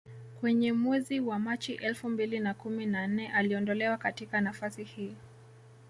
Kwenye mwezi wa Machi elfu mbili na kumi na nne aliondolewa katika nafasi hii